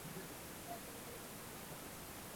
而在经济发展方面。